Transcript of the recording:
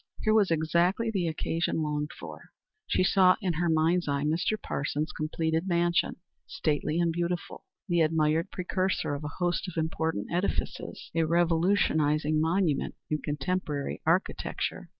Here was exactly the occasion longed for. She saw in her mind's eye Mr. Parsons's completed mansion, stately and beautiful, the admired precursor of a host of important edifices a revolutionizing monument in contemporary architecture.